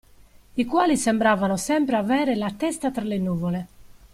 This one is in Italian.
I quali sembravano sempre avere la testa tra le nuvole.